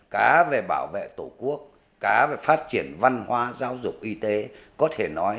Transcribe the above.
cá về bảo vệ tổ quốc cá về phát triển văn hóa giao dục y tế